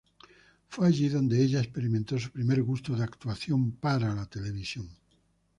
Fue allí donde ella experimentó su primer gusto de actuación para la televisión.